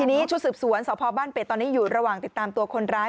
ทีนี้ชุดสืบสวนสพบ้านเป็ดตอนนี้อยู่ระหว่างติดตามตัวคนร้าย